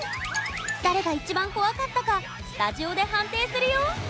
誰が一番怖かったかスタジオで判定するよ